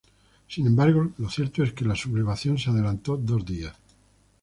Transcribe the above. Sin embargo, lo cierto es que la sublevación se adelantó dos días.